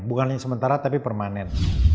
bukan hanya sementara tapi permanen